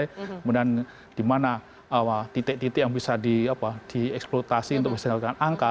kemudian dimana titik titik yang bisa dieksploitasi untuk mengembalikan angka